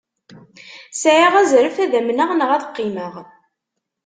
Sɛiɣ azref ad amneɣ neɣ ad qqimeɣ.